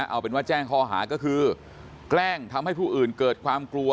เอาเป็นว่าแจ้งข้อหาก็คือแกล้งทำให้ผู้อื่นเกิดความกลัว